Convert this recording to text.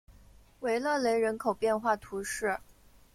维勒雷人口变化图示